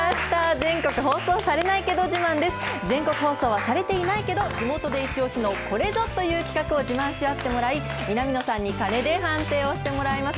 全国放送はされていないけど、地元で一押しのこれぞという企画を自慢し合ってもらい、南野さんに鐘で判定をしてもらいます。